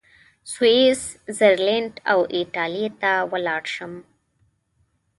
سویس زرلینډ او ایټالیې ته ولاړ شم.